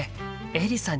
エリさん。